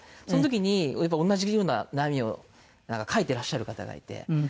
その時にやっぱ同じような悩みを書いてらっしゃる方がいて。